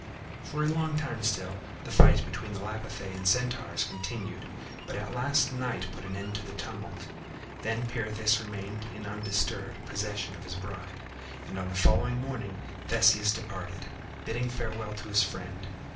For a long time still the fight between the Lapithæ and the Centaurs continued, but at last night put an end to the tumult. Then Pirithous remained in undisturbed possession of his bride, and on the following morning Theseus departed, bidding farewell to his friend.